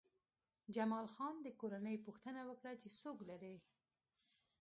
جمال خان د کورنۍ پوښتنه وکړه چې څوک لرې